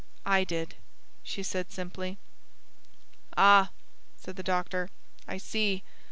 "I did," she said simply. "Ah," said the doctor, "I see.